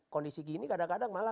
kondisi gini kadang kadang malah